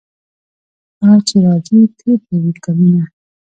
هغه چې راځي تیر به وي کلونه.